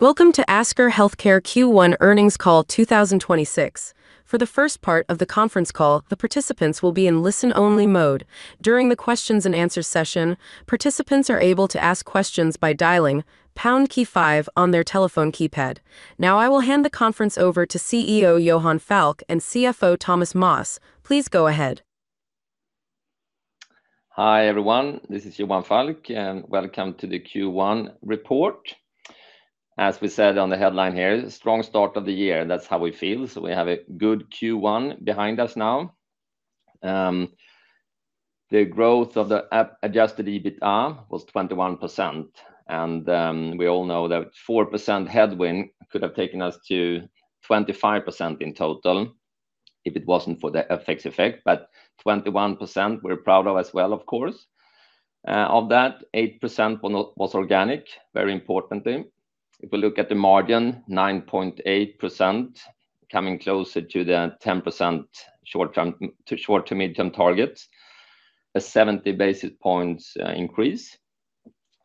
Welcome to Asker Healthcare Q1 Earnings Call 2026. For the first part of the conference call, the participants will be in listen only mode during to during the questions-and-answer session participants are able to ask question by dialing pound key five on their telephone keypad. Now, I will hand the conference over to CEO Johan Falk and CFO Thomas Moss. Please go ahead. Hi, everyone. This is Johan Falk, and welcome to the Q1 report. As we said on the headline here, strong start of the year. That's how we feel. We have a good Q1 behind us now. The growth of the adjusted EBITDA was 21%. We all know that 4% headwind could have taken us to 25% in total if it wasn't for the FX effect. 21% we're proud of as well, of course. Of that, 8% was organic, very importantly. If we look at the margin, 9.8% coming closer to the 10% short to midterm target. A 70 basis points increase.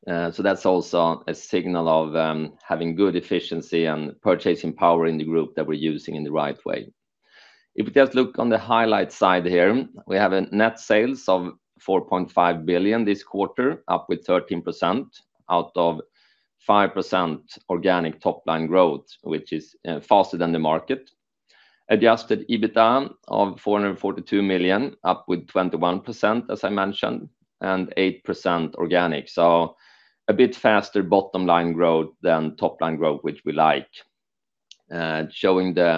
That's also a signal of having good efficiency and purchasing power in the group that we're using in the right way. If we just look on the highlight side here, we have a net sales of 4.5 billion this quarter, up with 13% out of 5% organic top line growth, which is faster than the market. adjusted EBITDA of 442 million, up with 21%, as I mentioned, and 8% organic. A bit faster bottom line growth than top line growth, which we like. Showing the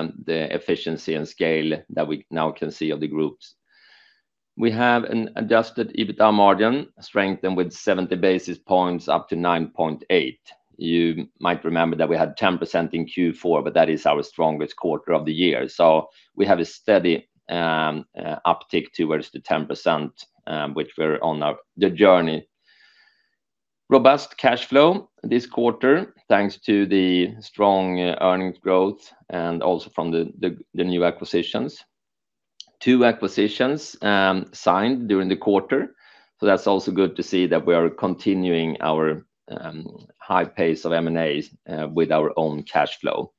efficiency and scale that we now can see of the groups. We have an Adjusted EBITDA margin strengthened with 70 basis points up to 9.8%. You might remember that we had 10% in Q4, but that is our strongest quarter of the year. We have a steady uptick towards the 10%, which we're on our journey. Robust cash flow this quarter, thanks to the strong earnings growth and also from the new acquisitions. two acquisitions signed during the quarter. That's also good to see that we are continuing our high pace of M&As with our own cash flow.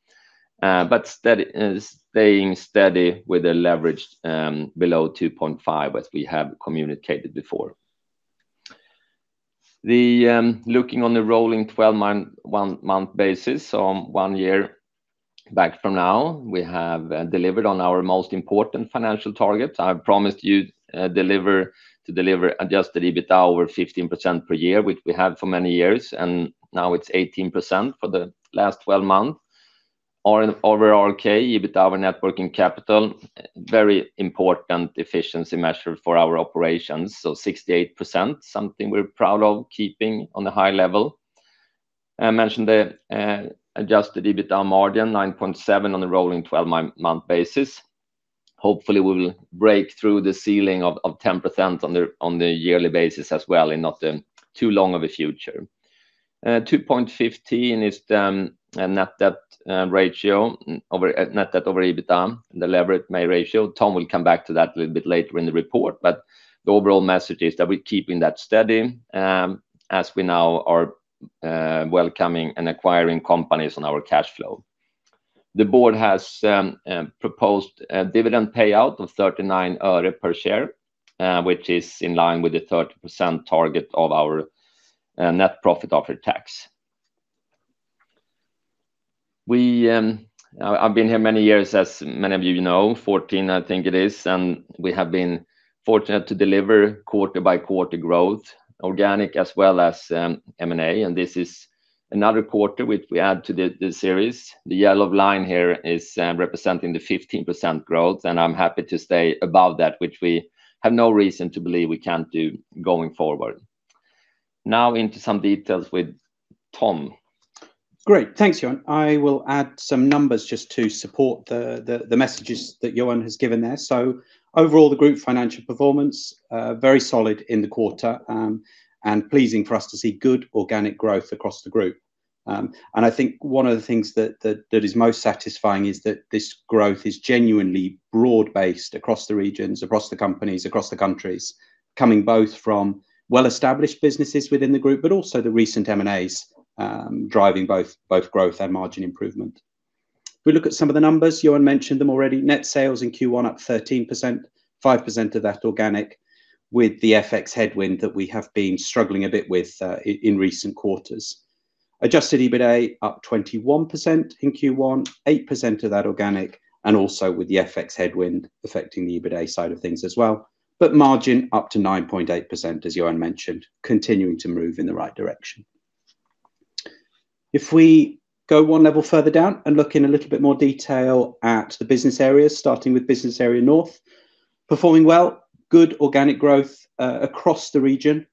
Staying steady with a leverage below 2.5, as we have communicated before. Looking on the rolling 12-month basis. One year back from now, we have delivered on our most important financial targets. I promised you to deliver adjusted EBITDA over 15% per year, which we had for many years, and now it's 18% for the last 12 months. Our overall net working capital, very important efficiency measure for our operations. 68%, something we're proud of keeping on a high level. I mentioned the adjusted EBITDA margin, 9.7% on the rolling 12-month basis. Hopefully, we will break through the ceiling of 10% on the yearly basis as well in not too long of a future. 2.15 is the net debt over EBITDA and the leverage ratio. Tom will come back to that a little bit later in the report. But the overall message is that we're keeping that steady as we now are welcoming and acquiring companies on our cash flow. The board has proposed a dividend payout of 39 per share, which is in line with the 30% target of our net profit after tax. We, I've been here many years, as many of you know, 14, I think it is. We have been fortunate to deliver quarter by quarter growth, organic as well as M&A. This is another quarter which we add to the series. The yellow line here is representing the 15% growth. I'm happy to stay above that, which we have no reason to believe we can't do going forward. Now into some details with Tom. Great. Thanks, Johan. I will add some numbers just to support the messages that Johan has given there. Overall, the group financial performance, very solid in the quarter, and pleasing for us to see good organic growth across the group. I think one of the things that is most satisfying is that this growth is genuinely broad-based across the regions, across the companies, across the countries, coming both from well-established businesses within the group, but also the recent M&As, driving both growth and margin improvement. If we look at some of the numbers, Johan mentioned them already. Net sales in Q1 up 13%, 5% of that organic with the FX headwind that we have been struggling a bit with in recent quarters. Adjusted EBITA up 21% in Q1, 8% of that organic, also with the FX headwind affecting the EBITA side of things as well. Margin up to 9.8%, as Johan mentioned, continuing to move in the right direction. If we go one level further down and look in a little bit more detail at the business areas, starting with Business Area North. Performing well, good organic growth across the region.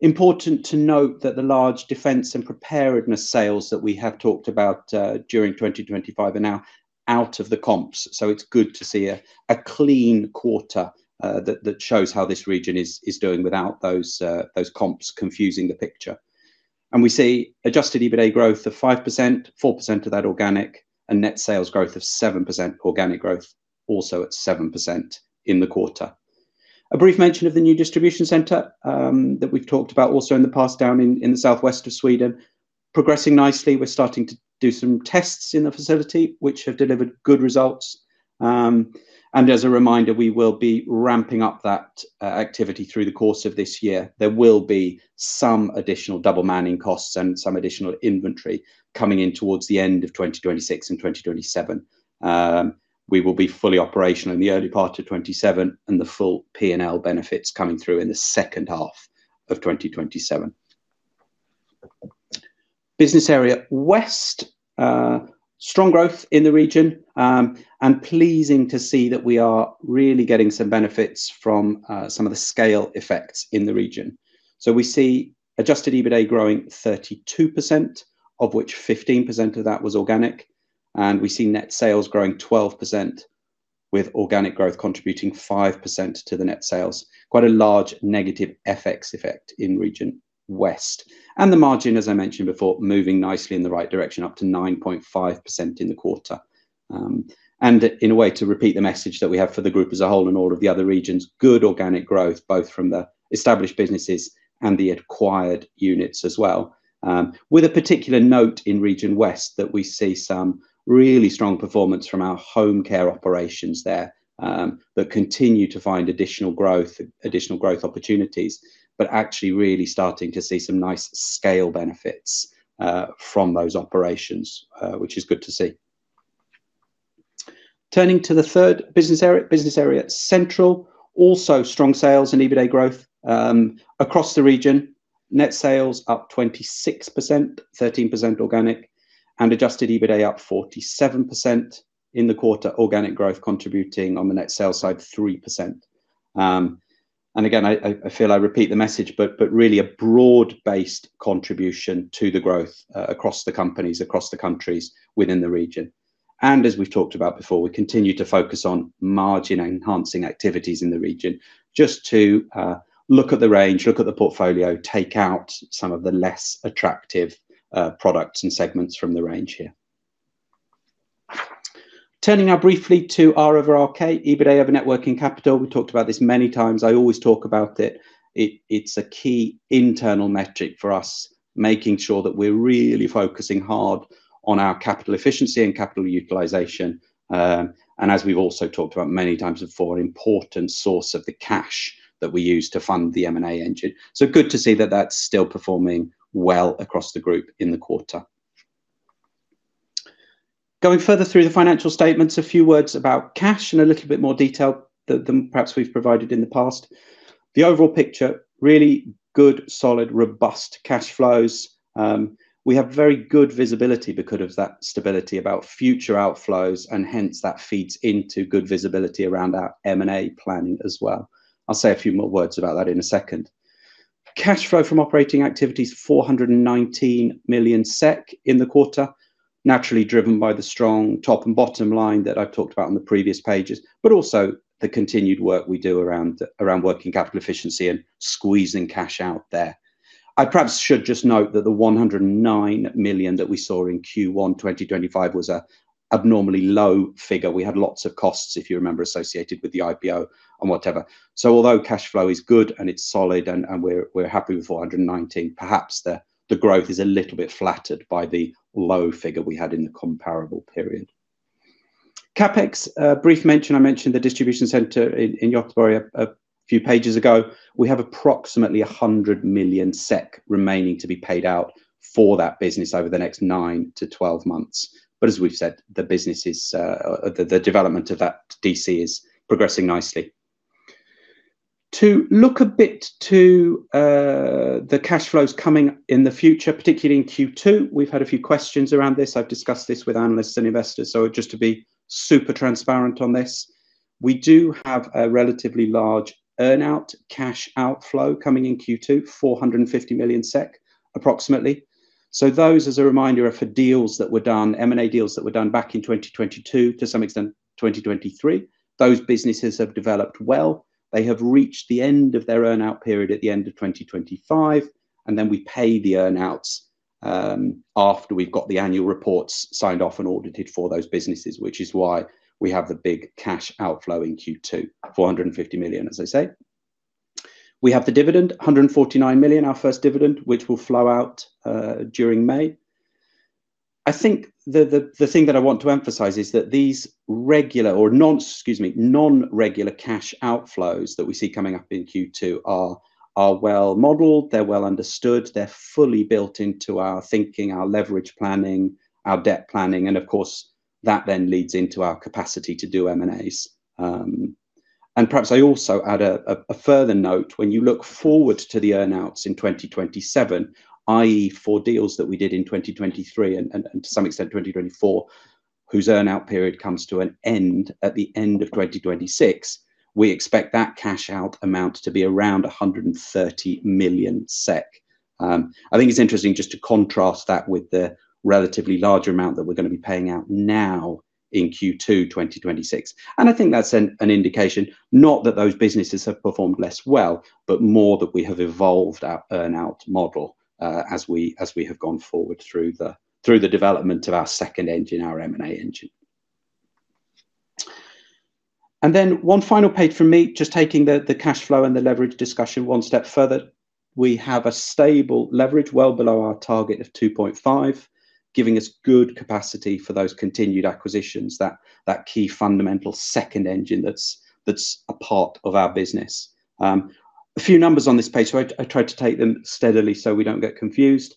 Important to note that the large defense and preparedness sales that we have talked about during 2025 are now out of the comps. It's good to see a clean quarter that shows how this region is doing without those comps confusing the picture. We see Adjusted EBITA growth of 5%, 4% of that organic, and net sales growth of 7%. Organic growth also at 7% in the quarter. A brief mention of the new distribution center that we've talked about also in the past down in the southwest of Sweden. Progressing nicely. We're starting to do some tests in the facility which have delivered good results. As a reminder, we will be ramping up that activity through the course of this year. There will be some additional double manning costs and some additional inventory coming in towards the end of 2026 and 2027. We will be fully operational in the early part of 2027 and the full P&L benefits coming through in the second half of 2027. Business Area West, strong growth in the region, pleasing to see that we are really getting some benefits from some of the scale effects in the region. We see adjusted EBITA growing 32%, of which 15% of that was organic, and we see net sales growing 12% with organic growth contributing 5% to the net sales. Quite a large negative FX effect in Business Area West. The margin, as I mentioned before, moving nicely in the right direction, up to 9.5% in the quarter. In a way to repeat the message that we have for the group as a whole in all of the other regions, good organic growth, both from the established businesses and the acquired units as well. With a particular note in Business Area West that we see some really strong performance from our home care operations there, that continue to find additional growth opportunities. Actually really starting to see some nice scale benefits from those operations, which is good to see. Turning to the third Business Area Central. Also strong sales and EBITA growth across the region. Net sales up 26%, 13% organic, and Adjusted EBITA up 47% in the quarter. Organic growth contributing on the net sales side, 3%. Again, I feel I repeat the message, but really a broad-based contribution to the growth across the companies, across the countries within the region. As we've talked about before, we continue to focus on margin-enhancing activities in the region just to look at the range, look at the portfolio, take out some of the less attractive products and segments from the range here. Turning now briefly to our RORACE, EBITA over working capital. We talked about this many times. I always talk about it. It's a key internal metric for us, making sure that we're really focusing hard on our capital efficiency and capital utilization. And as we've also talked about many times before, an important source of the cash that we use to fund the M&A engine. Good to see that that's still performing well across the group in the quarter. Going further through the financial statements, a few words about cash in a little bit more detail than perhaps we've provided in the past. The overall picture, really good, solid, robust cash flows. We have very good visibility because of that stability about future outflows, and hence that feeds into good visibility around our M&A planning as well. I'll say a few more words about that in a second. Cash flow from operating activities, 419 million SEK in the quarter, naturally driven by the strong top and bottom line that I've talked about on the previous pages, but also the continued work we do around working capital efficiency and squeezing cash out there. I perhaps should just note that the 109 million that we saw in Q1 2025 was a abnormally low figure. We had lots of costs, if you remember, associated with the IPO and whatever. Although cash flow is good and it's solid and we're happy with 419 million, perhaps the growth is a little bit flattered by the low figure we had in the comparable period. CapEx, brief mention, I mentioned the distribution center in Göteborg a few pages ago. We have approximately 100 million SEK remaining to be paid out for that business over the next 9 to 12 months. As we've said, the business is, the development of that DC is progressing nicely. To look a bit to the cash flows coming in the future, particularly in Q2, we've had a few questions around this. I've discussed this with analysts and investors, just to be super transparent on this, we do have a relatively large earn-out cash outflow coming in Q2, 450 million SEK, approximately. Those, as a reminder, are for deals that were done, M&A deals that were done back in 2022, to some extent 2023. Those businesses have developed well. They have reached the end of their earn-out period at the end of 2025, and then we pay the earn-outs after we've got the annual reports signed off and audited for those businesses, which is why we have the big cash outflow in Q2, 450 million, as I say. We have the dividend, 149 million, our first dividend, which will flow out during May. I think the thing that I want to emphasize is that these regular or non-regular cash outflows that we see coming up in Q2 are well modeled, they're well understood, they're fully built into our thinking, our leverage planning, our debt planning, and of course, that then leads into our capacity to do M&As. Perhaps I also add a further note. When you look forward to the earn-outs in 2027, i.e., for deals that we did in 2023 and, to some extent 2024, whose earn-out period comes to an end at the end of 2026, we expect that cash out amount to be around 130 million SEK. I think it's interesting just to contrast that with the relatively larger amount that we're gonna be paying out now in Q2 2026. I think that's an indication, not that those businesses have performed less well, but more that we have evolved our earn-out model as we have gone forward through the development of our second engine, our M&A engine. Then one final page from me, just taking the cash flow and the leverage discussion one step further. We have a stable leverage well below our target of 2.5x, giving us good capacity for those continued acquisitions, that key fundamental second engine that's a part of our business. A few numbers on this page. I tried to take them steadily so we don't get confused.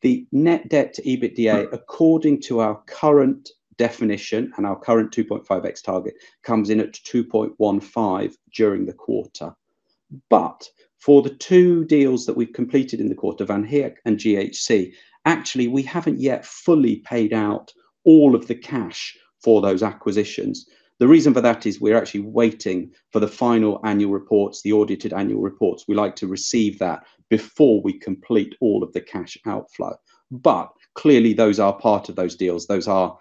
The net debt to EBITDA, according to our current definition and our current 2.5x target, comes in at 2.15x during the quarter. For the two deals that we've completed in the quarter, Van Heek and GHC, actually, we haven't yet fully paid out all of the cash for those acquisitions. The reason for that is we're actually waiting for the final annual reports, the audited annual reports. We like to receive that before we complete all of the cash outflow. Clearly, those are part of those deals. Those are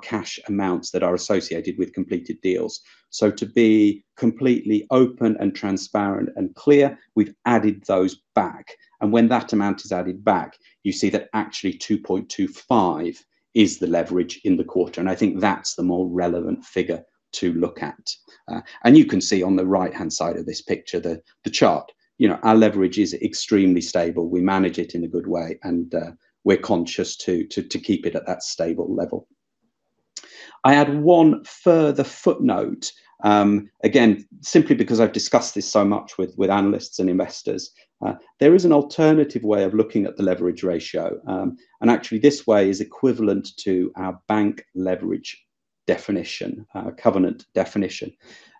cash amounts that are associated with completed deals. To be completely open and transparent and clear, we've added those back. When that amount is added back, you see that actually 2.25x is the leverage in the quarter. I think that's the more relevant figure to look at. You can see on the right-hand side of this picture, the chart. You know, our leverage is extremely stable. We manage it in a good way, and we're conscious to keep it at that stable level. I add one further footnote, again, simply because I've discussed this so much with analysts and investors. There is an alternative way of looking at the leverage ratio. Actually, this way is equivalent to our bank leverage definition, covenant definition.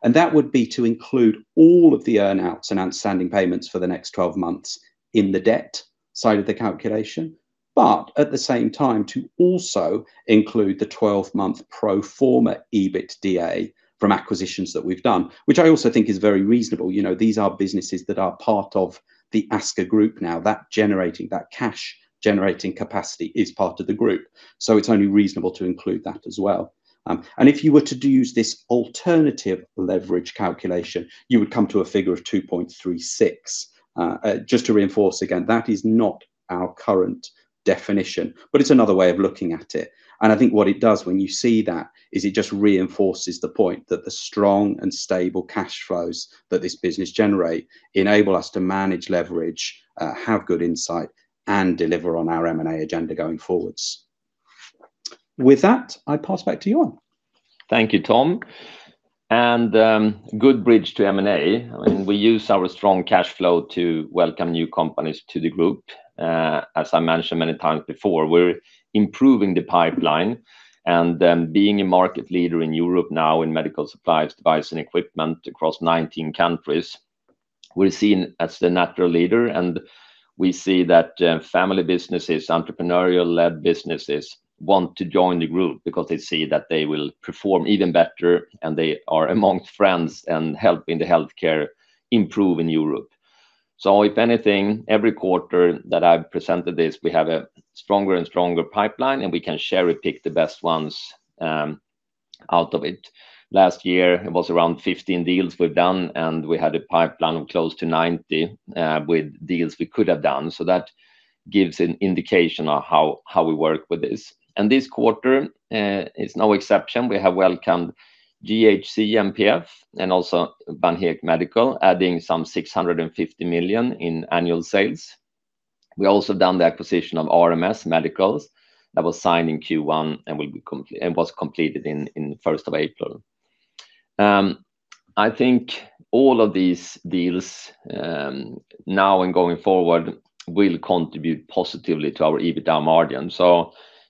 That would be to include all of the earn-outs and outstanding payments for the next 12 months in the debt side of the calculation. At the same time, to also include the 12-month pro forma EBITDA from acquisitions that we've done, which I also think is very reasonable. You know, these are businesses that are part of the Asker Healthcare Group now. That cash-generating capacity is part of the group. It's only reasonable to include that as well. If you were to use this alternative leverage calculation, you would come to a figure of 2.36. Just to reinforce again, that is not our current definition, but it's another way of looking at it. I think what it does when you see that is it just reinforces the point that the strong and stable cash flows that this business generate enable us to manage leverage, have good insight, and deliver on our M&A agenda going forwards. With that, I pass back to you. Thank you, Tom. Good bridge to M&A. I mean, we use our strong cash flow to welcome new companies to the group. As I mentioned many times before, we're improving the pipeline and, being a market leader in Europe now in medical supplies, device, and equipment across 19 countries, we're seen as the natural leader. We see that, family businesses, entrepreneurial-led businesses want to join the group because they see that they will perform even better, and they are among friends and helping the healthcare improve in Europe. If anything, every quarter that I've presented this, we have a stronger and stronger pipeline, and we can cherry-pick the best ones out of it. Last year, it was around 15 deals we've done, and we had a pipeline of close to 90, with deals we could have done. That gives an indication of how we work with this. This quarter is no exception. We have welcomed GHC/MPF and also Van Heek Medical, adding some 650 million in annual sales. We also done the acquisition of RMS Medical Devices that was signed in Q1 and was completed in the 1st of April. I think all of these deals now and going forward will contribute positively to our EBITDA margin.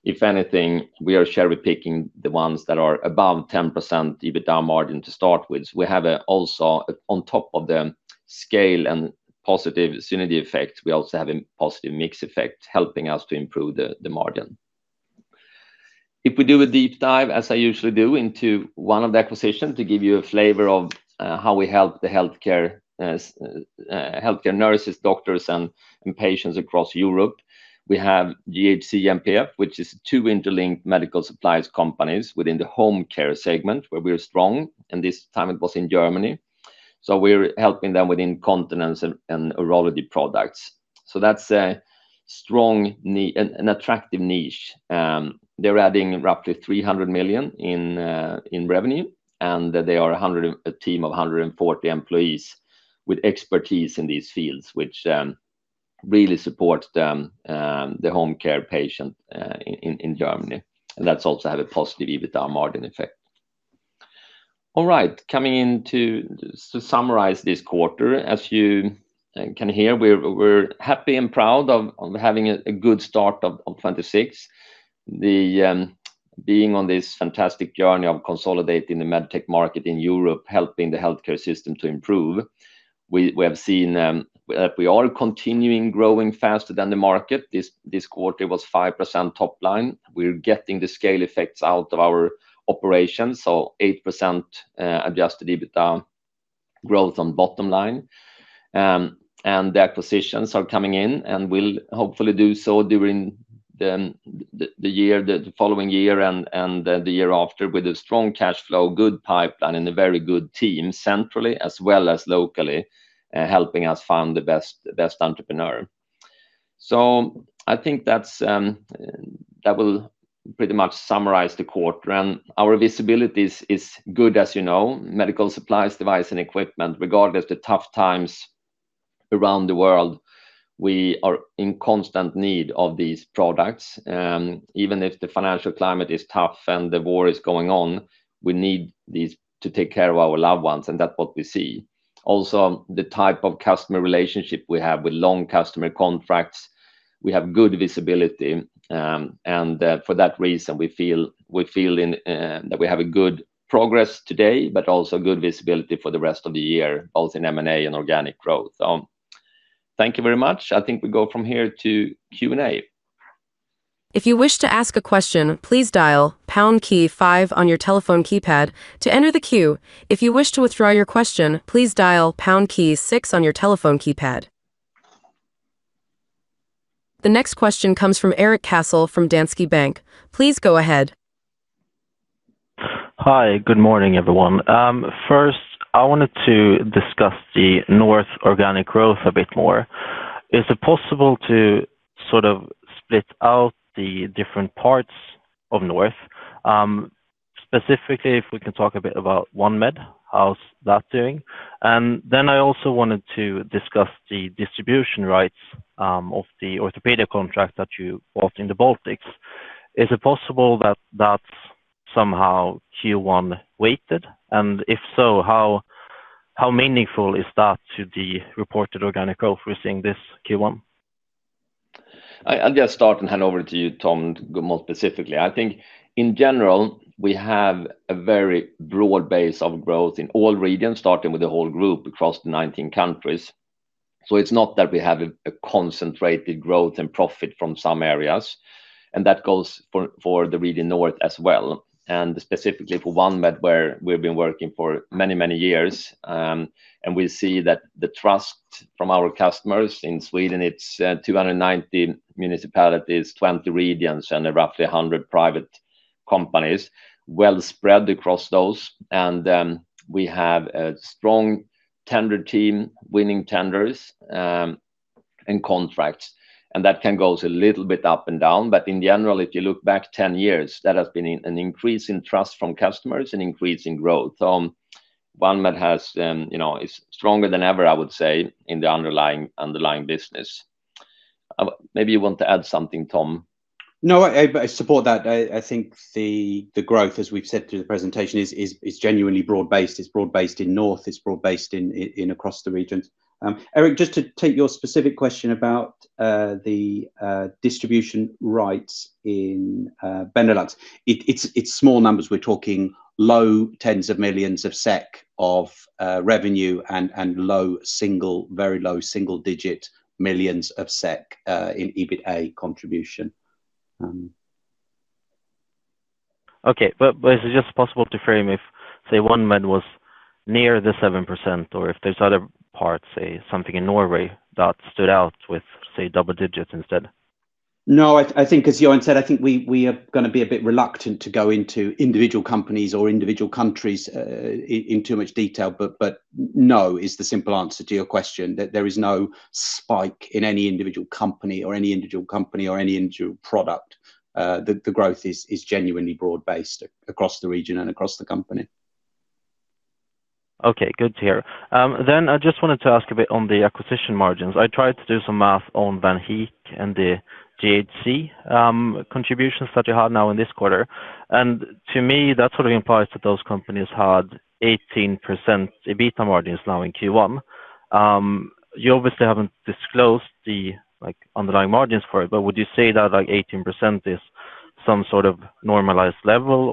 If anything, we are cherry-picking the ones that are above 10% EBITDA margin to start with. We have also on top of the scale and positive synergy effect, we also have a positive mix effect helping us to improve the margin. If we do a deep dive, as I usually do, into one of the acquisitions to give you a flavor of how we help the healthcare nurses, doctors, and patients across Europe. We have GHC MPF, which is two interlinked medical supplies companies within the home care segment where we're strong. This time it was in Germany. We're helping them with incontinence and urology products. That's a strong attractive niche. They're adding roughly 300 million in revenue. They are a team of 140 employees with expertise in these fields, which really supports the home care patient in Germany. That's also have a positive EBITDA margin effect. All right. Coming in to summarize this quarter. As you can hear, we are happy and proud of having a good start of 2026. Being on this fantastic journey of consolidating the med tech market in Europe, helping the healthcare system to improve. We have seen, we are continuing growing faster than the market. This quarter was 5% top line. We are getting the scale effects out of our operations, so 8% Adjusted EBITDA growth on bottom line. The acquisitions are coming in and will hopefully do so during the year, the following year and the year after with a strong cash flow, good pipeline, and a very good team centrally as well as locally, helping us find the best entrepreneur. I think that is that will pretty much summarize the quarter. Our visibility is good as you know. Medical supplies, device, and equipment, regardless the tough times around the world, we are in constant need of these products. Even if the financial climate is tough and the war is going on, we need these to take care of our loved ones, and that what we see. Also, the type of customer relationship we have with long customer contracts, we have good visibility. For that reason, we're feeling that we have good progress today, but also good visibility for the rest of the year, both in M&A and organic growth. Thank you very much. I think we go from here to Q&A. If you wish to ask a question please dial pound five on your telephone keypad to enter the queue. If you wish to withdraw your question please dial pound six on your keypad The next question comes from Erik Cassel from Danske Bank. Please go ahead. Hi. Good morning, everyone. First I wanted to discuss the North organic growth a bit more. Is it possible to sort of split out the different parts of North? Specifically, if we can talk a bit about OneMed, how's that doing? I also wanted to discuss the distribution rights of the orthopedic contract that you bought in the Baltics. Is it possible that that's somehow Q1 weighted? If so, how meaningful is that to the reported organic growth we're seeing this Q1? I'll just start and hand over to you, Tom, to go more specifically. I think in general, we have a very broad base of growth in all regions, starting with the whole group across the 19 countries. It's not that we have a concentrated growth and profit from some areas, and that goes for the Business Area North as well. Specifically for OneMed, where we've been working for many, many years, and we see that the trust from our customers in Sweden, it's 290 municipalities, 20 regions, and roughly 100 private companies well spread across those. We have a strong tender team winning tenders and contracts, and that can go a little bit up and down. In general, if you look back 10 years, that has been an increase in trust from customers and increase in growth. OneMed has, you know, is stronger than ever, I would say, in the underlying business. Maybe you want to add something, Tom. No, I support that. I think the growth, as we've said through the presentation is genuinely broad-based. It's broad-based in North. It's broad-based across the regions. Erik, just to take your specific question about the distribution rights in Benelux. It's small numbers. We're talking low 10s of millions of SEK of revenue and low single-digit millions of SEK in EBITA contribution. Okay. Is it just possible to frame if, say, OneMed was near the 7%, or if there's other parts, say something in Norway that stood out with, say, double digits instead? I think as Johan said, I think we are gonna be a bit reluctant to go into individual companies or individual countries in too much detail. No is the simple answer to your question. That there is no spike in any individual company or any individual product. The growth is genuinely broad-based across the region and across the company. Okay. Good to hear. I just wanted to ask a bit on the acquisition margins. I tried to do some math on Van Heek and the GHC contributions that you have now in Q1. To me, that sort of implies that those companies had 18% EBITA margins now in Q1. You obviously haven't disclosed the, like, underlying margins for it, but would you say that, like, 18% is some sort of normalized level?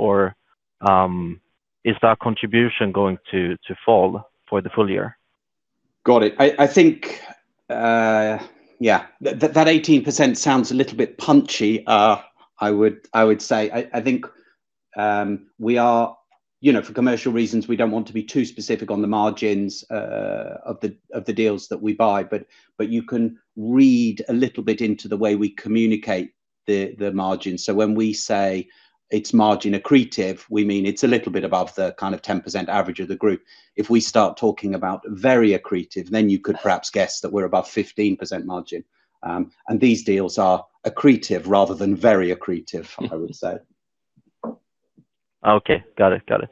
Is that contribution going to fall for the full year? Got it. I think, yeah, that 18% sounds a little bit punchy, I would say. I think, you know, for commercial reasons, we don't want to be too specific on the margins of the deals that we buy, but you can read a little bit into the way we communicate the margins. When we say it's margin accretive, we mean it's a little bit above the kind of 10% average of the group. If we start talking about very accretive, then you could perhaps guess that we're above 15% margin. These deals are accretive rather than very accretive, I would say. Okay. Got it. Got it.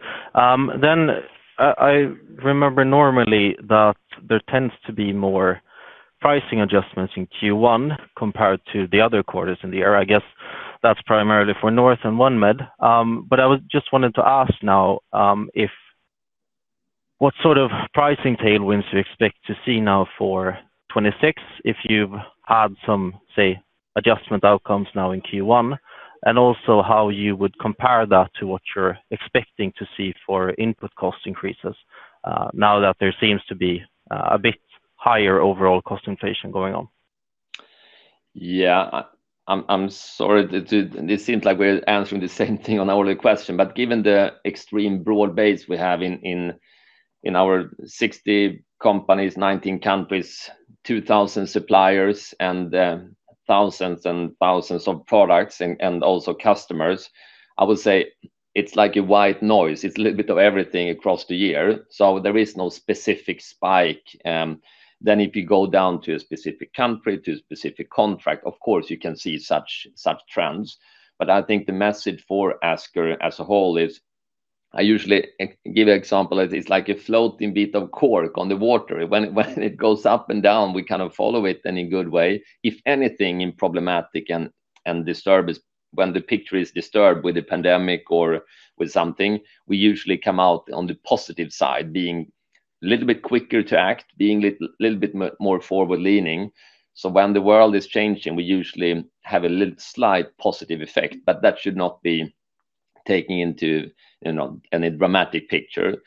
I remember normally that there tends to be more pricing adjustments in Q1 compared to the other quarters in the year. I guess that's primarily for North and OneMed. I just wanted to ask now, if what sort of pricing tailwinds do you expect to see now for 2026 if you've had some, say, adjustment outcomes now in Q1? Also how you would compare that to what you're expecting to see for input cost increases, now that there seems to be a bit higher overall cost inflation going on? Yeah. I'm sorry to. This seems like we're answering the same thing on all the question. Given the extreme broad base we have in our 60 companies, 19 countries, 2,000 suppliers, and thousands and thousands of products and also customers, I would say, it's like a white noise. It's a little bit of everything across the year. There is no specific spike. If you go down to a specific country, to a specific contract, of course, you can see such trends. I think the message for Asker as a whole is, I usually give an example that it's like a floating bit of cork on the water. When it goes up and down, we kind of follow it in a good way. If anything in problematic and disturbed, when the picture is disturbed with the pandemic or with something, we usually come out on the positive side, being a little bit quicker to act, being a little bit more forward-leaning. When the world is changing, we usually have a little slight positive effect, but that should not be taken into, you know, any dramatic picture.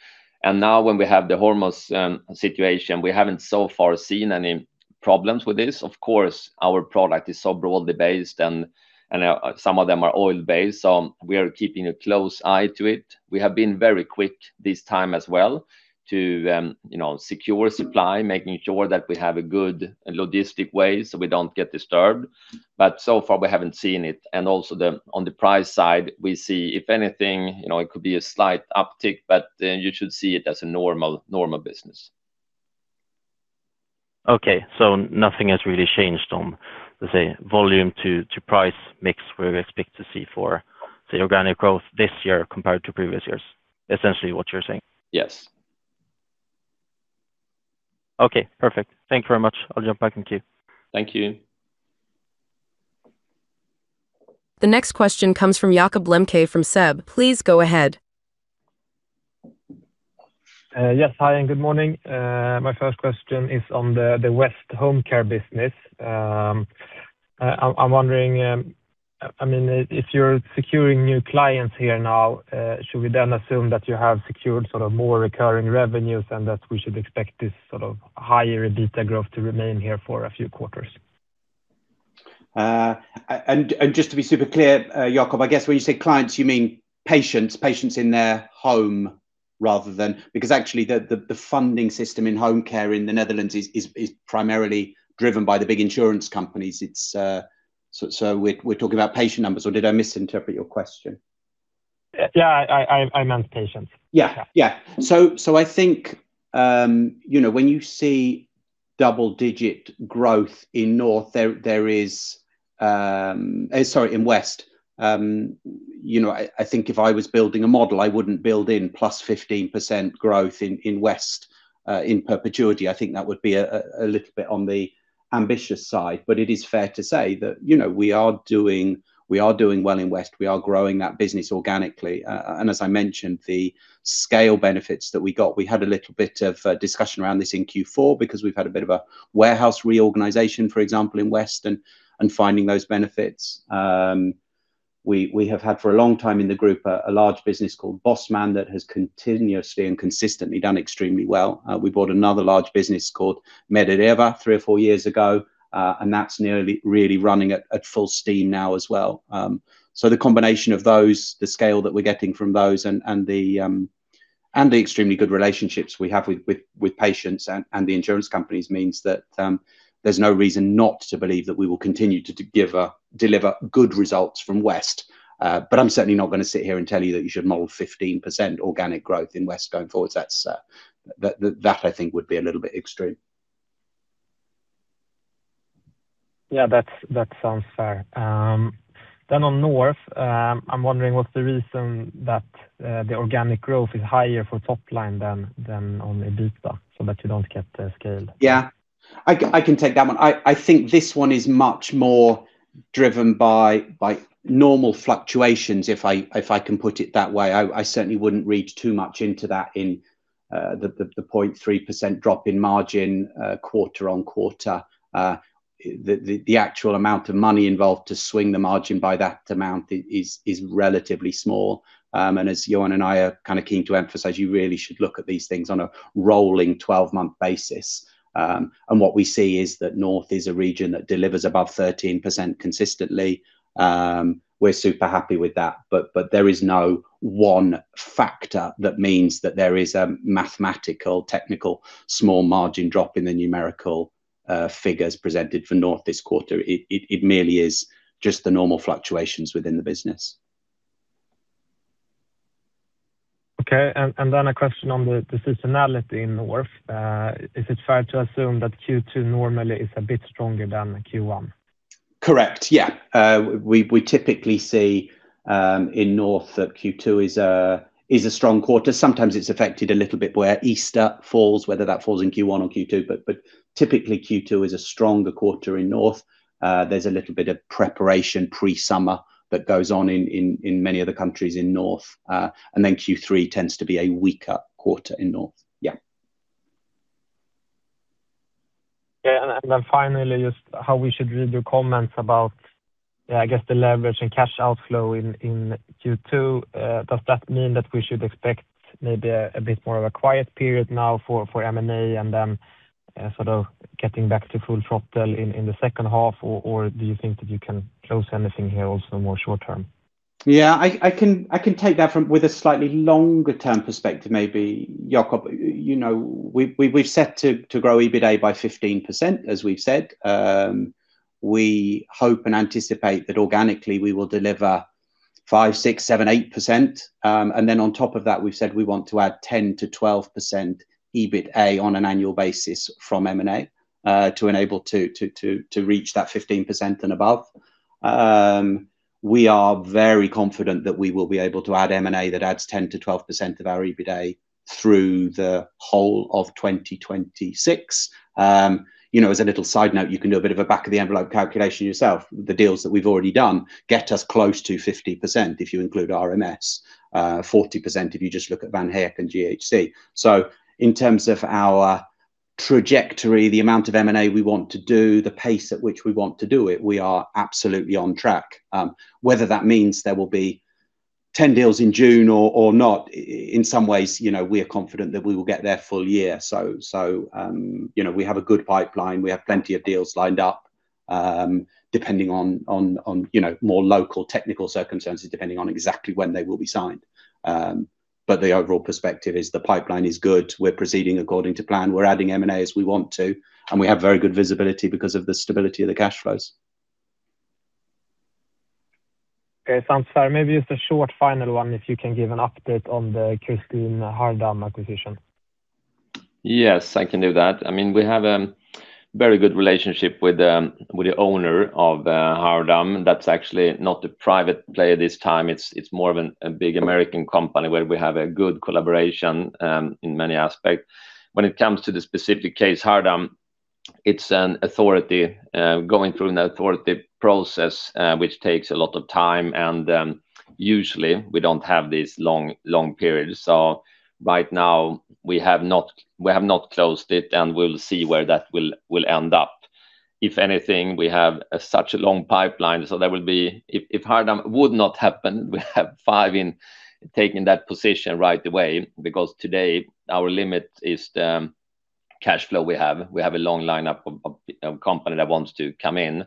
Now when we have the Hormuz situation, we haven't so far seen any problems with this. Of course, our product is so broadly based and, some of them are oil-based, we are keeping a close eye to it. We have been very quick this time as well to, you know, secure supply, making sure that we have a good logistic way so we don't get disturbed. So far, we haven't seen it. On the price side, we see, if anything, you know, it could be a slight uptick, but you should see it as a normal business. Okay. nothing has really changed on, let's say, volume to price mix we expect to see for the organic growth this year compared to previous years, essentially what you're saying? Yes. Okay, perfect. Thank you very much. I'll jump back in queue. Thank you. The next question comes from Jacob Lemke from SEB. Please go ahead. Yes, hi, good morning. My first question is on the Business Area West. I'm wondering, I mean, if you're securing new clients here now, should we then assume that you have secured sort of more recurring revenues that we should expect this sort of higher EBITDA growth to remain here for a few quarters? Just to be super clear, Jacob, I guess when you say clients, you mean patients in their home rather than Because actually the funding system in home care in the Netherlands is primarily driven by the big insurance companies. It's, so we're talking about patient numbers or did I misinterpret your question? Yeah, I meant patients. Yeah. Yeah. I think, you know, when you see double-digit growth in West. I think if I was building a model, I wouldn't build in 15% growth in West in perpetuity. I think that would be a little bit on the ambitious side. It is fair to say that, you know, we are doing well in West. We are growing that business organically. As I mentioned, the scale benefits that we got, we had a little bit of a discussion around this in Q4 because we've had a bit of a warehouse reorganization, for example, in West and finding those benefits. We have had for a long time in the group a large business called Bosman that has continuously and consistently done extremely well. We bought another large business called MediReva three or four years ago, and that's nearly really running at full steam now as well. The combination of those, the scale that we're getting from those and the extremely good relationships we have with patients and the insurance companies means that there's no reason not to believe that we will continue to deliver good results from West. I'm certainly not gonna sit here and tell you that you should mold 15% organic growth in West going forward. That I think would be a little bit extreme. Yeah, that's, that sounds fair. On Business Area North, I'm wondering what's the reason that the organic growth is higher for top line than on EBITDA, so that you don't get the scale? I can take that one. I think this one is much more driven by normal fluctuations, if I can put it that way. I certainly wouldn't read too much into that in the 0.3% drop in margin quarter-on-quarter. The actual amount of money involved to swing the margin by that amount is relatively small. As Johan and I are kind of keen to emphasize, you really should look at these things on a rolling 12-month basis. What we see is that Business Area North is a region that delivers above 13% consistently. We're super happy with that. There is no one factor that means that there is a mathematical, technical small margin drop in the numerical figures presented for Business Area North this quarter. It merely is just the normal fluctuations within the business. Okay. A question on the seasonality in North. Is it fair to assume that Q2 normally is a bit stronger than Q1? Correct. Yeah. We typically see in North that Q2 is a strong quarter. Sometimes it's affected a little bit where Easter falls, whether that falls in Q1 or Q2. Typically, Q2 is a stronger quarter in North. There's a little bit of preparation pre-summer that goes on in many of the countries in North. Q3 tends to be a weaker quarter in North. Yeah. Then finally, just how we should read your comments about I guess the leverage and cash outflow in Q2. Does that mean that we should expect maybe a bit more of a quiet period now for M&A and sort of getting back to full throttle in the second half? Or do you think that you can close anything here also more short term? I can take that with a slightly longer term perspective, maybe, Jacob. You know, we've set to grow EBITDA by 15%, as we've said. We hope and anticipate that organically we will deliver 5%, 6%, 7%, 8%. On top of that, we've said we want to add 10%-12% EBITA on an annual basis from M&A to enable to reach that 15% and above. We are very confident that we will be able to add M&A that adds 10%-12% of our EBITA through the whole of 2026. You know, as a little side note, you can do a bit of a back of the envelope calculation yourself. The deals that we've already done get us close to 50% if you include RMS, 40% if you just look at Van Heek and GHC. In terms of our trajectory, the amount of M&A we want to do, the pace at which we want to do it, we are absolutely on track. Whether that means there will be 10 deals in June or not, in some ways, you know, we are confident that we will get there full year. You know, we have a good pipeline. We have plenty of deals lined up, depending on, you know, more local technical circumstances, depending on exactly when they will be signed. The overall perspective is the pipeline is good. We're proceeding according to plan. We're adding M&A as we want to, and we have very good visibility because of the stability of the cash flows. Okay. Sounds fair. Maybe just a short final one, if you can give an update on the Kirstine Hardam acquisition. Yes, I can do that. I mean, we have a very good relationship with the owner of Hardam. That's actually not a private player this time. It's more of a big American company where we have a good collaboration in many aspects. When it comes to the specific case, Hardam, it's an authority going through an authority process, which takes a lot of time and usually we don't have these long periods. Right now we have not closed it, and we'll see where that will end up. If anything, we have such a long pipeline, so there will be If Hardam would not happen, we have five in taking that position right away because today our limit is the cash flow we have. We have a long lineup of company that wants to come in.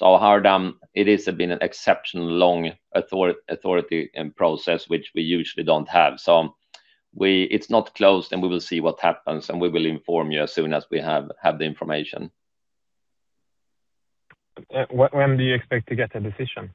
Hardam, it has been an exceptional long authority and process, which we usually don't have. It's not closed, and we will see what happens, and we will inform you as soon as we have the information. When do you expect to get a decision?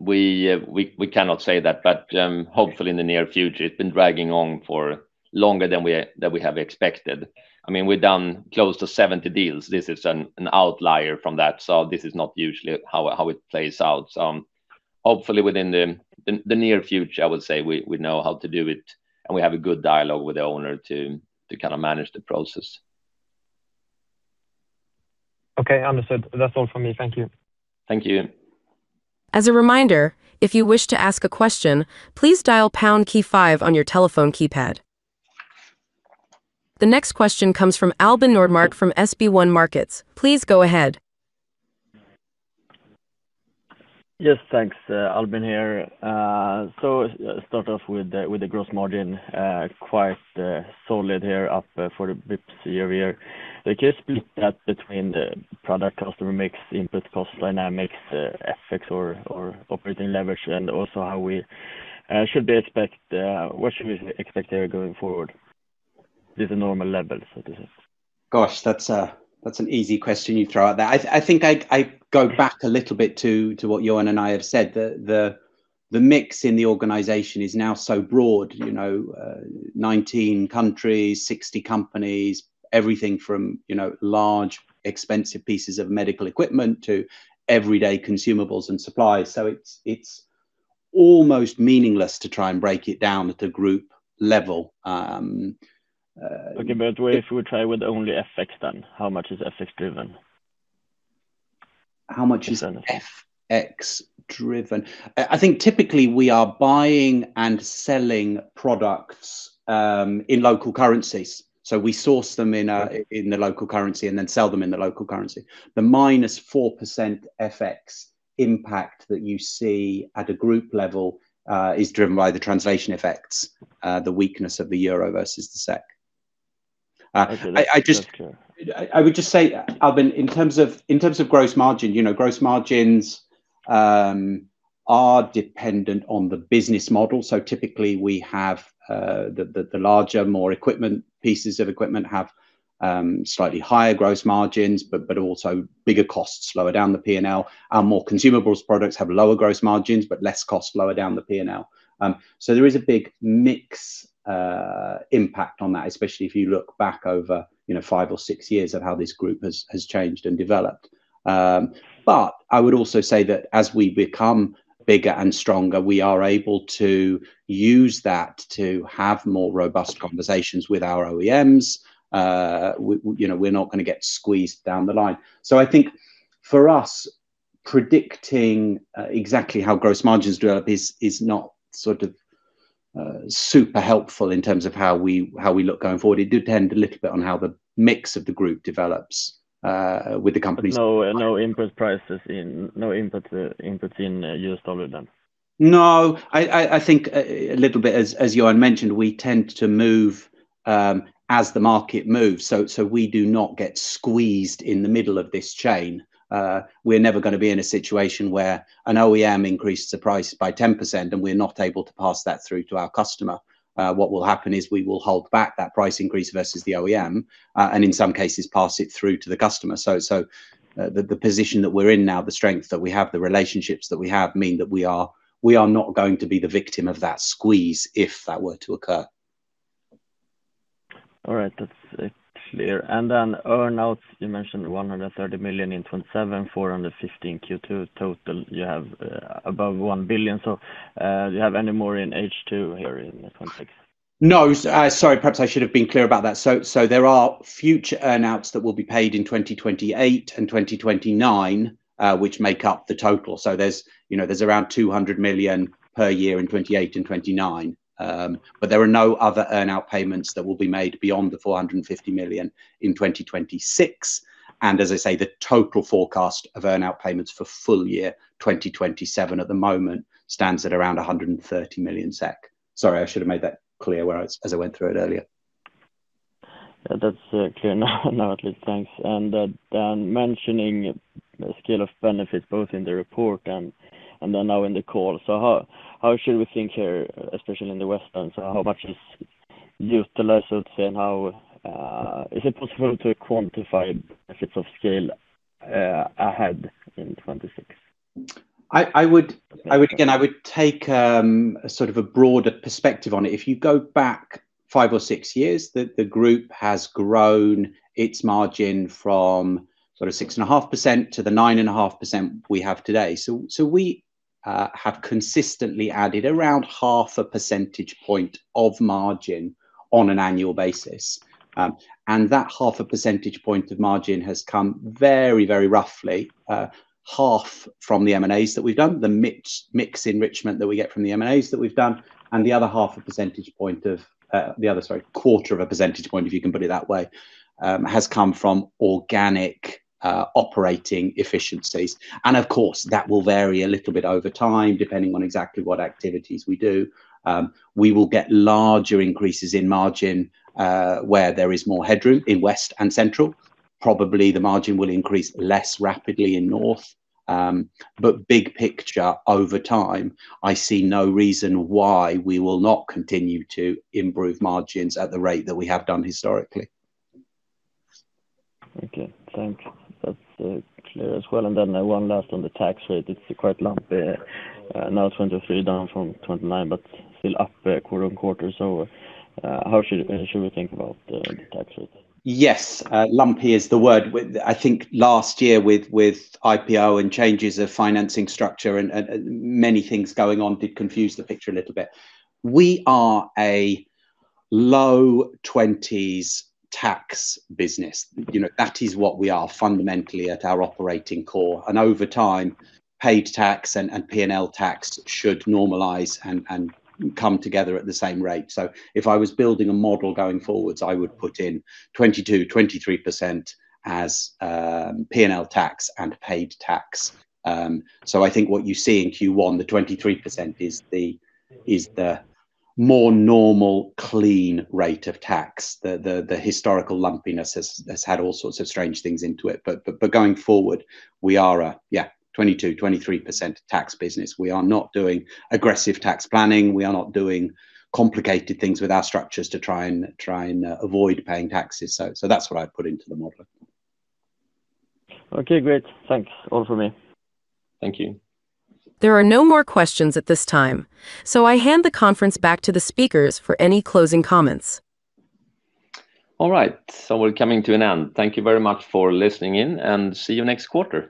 We cannot say that, but hopefully in the near future. It's been dragging on for longer than we have expected. I mean, we've done close to 70 deals. This is an outlier from that. This is not usually how it plays out. Hopefully within the near future, I would say we know how to do it and we have a good dialogue with the owner to kind of manage the process. Okay. Understood. That's all from me. Thank you. Thank you. The next question comes from Albin Nordmark from SB1 Markets. Please go ahead. Yes. Thanks. Albin here. Start off with the gross margin, quite solid here up 40 BPS year-over-year. Can you split that between the product customer mix, input cost dynamics, FX or operating leverage? What should we expect there going forward? These are normal levels, so to say. Gosh, that's an easy question you throw out there. I think I go back a little bit to what Johan and I have said. The mix in the organization is now so broad, you know, 19 countries, 60 companies, everything from, you know, large, expensive pieces of medical equipment to everyday consumables and supplies. It's almost meaningless to try and break it down at the group level. Okay. If we try with only FX, how much is FX driven? How much? FX driven? I think typically we are buying and selling products, in local currencies. We source them in the local currency and then sell them in the local currency. The minus 4% FX impact that you see at a group level, is driven by the translation effects, the weakness of the euro versus the SEK. Okay. That's clear. I would just say, Albin, in terms of, in terms of gross margin, you know, gross margins are dependent on the business model. Typically we have the larger, more equipment, pieces of equipment have slightly higher gross margins, but also bigger costs lower down the P&L. Our more consumables products have lower gross margins, but less costs lower down the P&L. There is a big mix impact on that, especially if you look back over, you know, five or six years of how this group has changed and developed. I would also say that as we become bigger and stronger, we are able to use that to have more robust conversations with our OEMs. We, you know, we're not gonna get squeezed down the line. I think for us, predicting exactly how gross margins develop is not sort of super helpful in terms of how we look going forward. It do depend a little bit on how the mix of the group develops with the companies. No, no inputs in US dollar then? No, I think a little bit as Johan mentioned, we tend to move as the market moves. We do not get squeezed in the middle of this chain. We're never gonna be in a situation where an OEM increases the price by 10% and we're not able to pass that through to our customer. What will happen is we will hold back that price increase versus the OEM, and in some cases pass it through to the customer. The position that we're in now, the strength that we have, the relationships that we have mean that we are not going to be the victim of that squeeze if that were to occur. All right. That's clear. Earnouts, you mentioned 130 million in 2027, 415 Q2 total. You have above 1 billion. Do you have any more in H2 here in 2026? Sorry, perhaps I should have been clear about that. There are future earnouts that will be paid in 2028 and 2029, which make up the total. There's, you know, there's around 200 million per year in 2028 and 2029. There are no other earnout payments that will be made beyond the 450 million in 2026. As I say, the total forecast of earnout payments for full year 2027 at the moment stands at around 130 million SEK. Sorry, I should have made that clear where I was as I went through it earlier. Yeah, that's clear now at least. Thanks. Then mentioning the scale of benefits both in the report and then now in the call. How should we think here, especially in Business Area West, and so how much is utilized, let's say? How is it possible to quantify benefits of scale, ahead in 2026? I would again take sort of a broader perspective on it. If you go back five or six years, the group has grown its margin from sort of 6.5% to the 9.5% we have today. We have consistently added around half a percentage point of margin on an annual basis. That half a percentage point of margin has come very roughly half from the M&As that we've done, the mix enrichment that we get from the M&As that we've done, and the other half a percentage point of the other, sorry, quarter of a percentage point, if you can put it that way, has come from organic operating efficiencies. Of course, that will vary a little bit over time, depending on exactly what activities we do. We will get larger increases in margin, where there is more headroom in West and Central. Probably, the margin will increase less rapidly in North. Big picture over time, I see no reason why we will not continue to improve margins at the rate that we have done historically. Okay, thanks. That's clear as well. One last on the tax rate. It's quite lumpy. Now it's 23% down from 29%, but still up, quarter-on-quarter. How should we think about the tax rate? Yes, lumpy is the word. I think last year with IPO and changes of financing structure and many things going on did confuse the picture a little bit. We are a low 20s tax business. You know, that is what we are fundamentally at our operating core. Over time, paid tax and P&L tax should normalize and come together at the same rate. If I was building a model going forwards, I would put in 22%, 23% as P&L tax and paid tax. I think what you see in Q1, the 23% is the more normal, clean rate of tax. The historical lumpiness has had all sorts of strange things into it. But going forward, we are a 22%, 23% tax business. We are not doing aggressive tax planning. We are not doing complicated things with our structures to try and avoid paying taxes. That's what I'd put into the model. Okay, great. Thanks. All from me. Thank you. There are no more questions at this time, so I hand the conference back to the speakers for any closing comments. All right, we're coming to an end. Thank you very much for listening in, and see you next quarter.